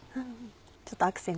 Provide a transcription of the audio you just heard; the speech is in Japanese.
ちょっとアクセント。